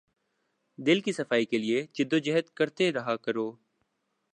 دل کی صفائی کے لیے جد و جہد کرتے رہا کرو۔